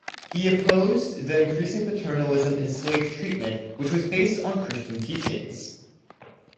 He opposed the increasing paternalism in slave treatment which was based on Christian teachings.